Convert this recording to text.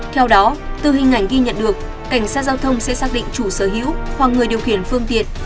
theo đó từ hình ảnh ghi nhận được cảnh sát giao thông sẽ xác định chủ sở hữu hoặc người điều khiển phương tiện